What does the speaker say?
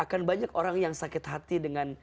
akan banyak orang yang sakit hati dengan